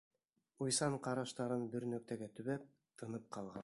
Уйсан ҡараштарын бер нөктәгә төбәп, тынып ҡалған.